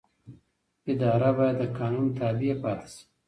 اداره باید د قانون تابع پاتې شي.